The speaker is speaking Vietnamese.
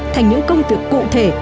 thành những công việc cụ thể